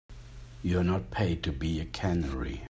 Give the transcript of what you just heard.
You're not paid to be a canary.